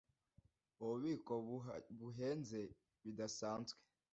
Ububiko buhenze bidasanzwe.